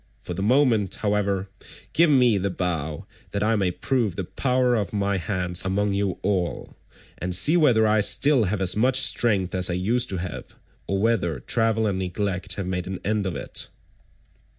For the moment, however, give me the bow that I may prove the power of my hands among you all, and see whether I still have as much strength as I used to have, or whether travel and neglect have made an end of it."